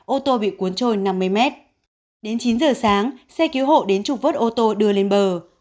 ô tô bị cuốn trôi năm mươi mét đến chín giờ sáng xe cứu hộ đến trục vớt ô tô đưa lên bờ